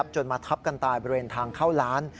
จนมาทับกันตายบริเวณทางเข้าร้าน